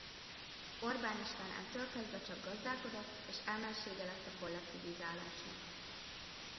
Orbán István ettől kezdve csak gazdálkodott és ellensége lett a kollektivizálásnak.